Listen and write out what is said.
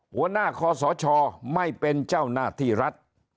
หัวหน้าคอสชไม่เป็นเจ้าหน้าที่รัฐ